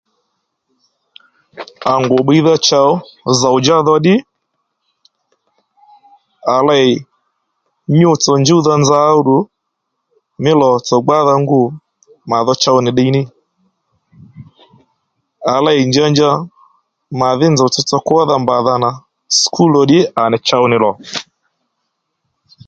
À ngù bbiydha chow zòwdjá dho ddí à léy nyû tsò njúwdha nza ó ddù mí lòtsò gbádha ngû madho chow nì ddiy ní à lêy njanja màdhí nzòw tsotso kwódha mbadha nà skul ò ddí à nì chow nì lò